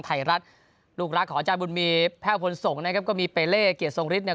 ต้องไถรัฐลูกรักขอจารย์บุญมีแพร่พลสงศ์นะครับก็มีเปเล่เกียรติทรงฤทธิ์